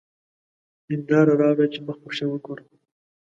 هېنداره راوړه چي مخ پکښې وګورم!